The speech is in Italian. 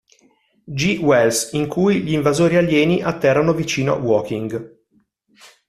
G. Wells, in cui gli invasori alieni atterrano vicino Woking.